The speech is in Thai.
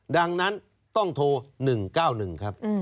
ดังนั้นต้องโทร๑๙๑ครับ